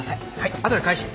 あとで返してね。